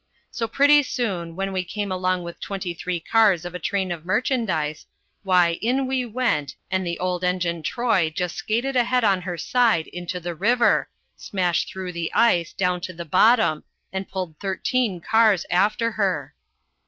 So pretty soon, when we came along with twenty three cars of a train of merchandise, why in we went, and the old engine 'Troy' just skated ahead on her side into the river, smash through the ice, down to the bottom, and pulled thirteen cars after her.